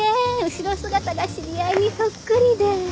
後ろ姿が知り合いにそっくりで